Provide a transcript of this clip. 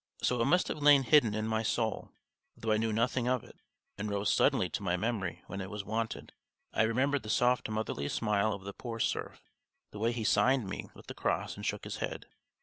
So it must have lain hidden in my soul, though I knew nothing of it, and rose suddenly to my memory when it was wanted; I remembered the soft motherly smile of the poor serf, the way he signed me with the cross and shook his head.